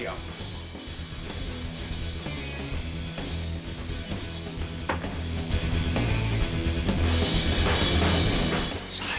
saya sudah tidak tahan